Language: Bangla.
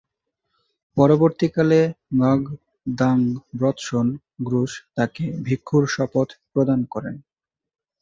পরবর্তীকালে ঙ্গাগ-দ্বাং-ব্রত্সোন-'গ্রুস তাকে ভিক্ষুর শপথ প্রদান করেন।